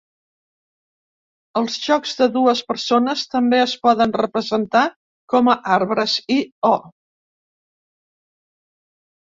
Els jocs de dues persones també es poden representar com a arbres I/O.